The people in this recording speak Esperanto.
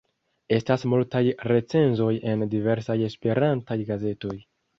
Estas multaj recenzoj en diversaj Esperantaj gazetoj.